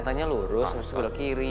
katanya lurus habis habis belok kiri